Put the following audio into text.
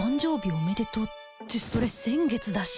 おめでとうってそれ先月だし